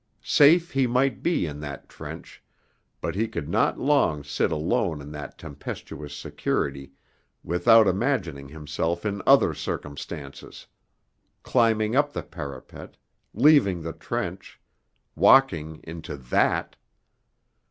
Safe he might be in that trench, but he could not long sit alone in that tempestuous security without imagining himself in other circumstances climbing up the parapet leaving the trench walking into THAT.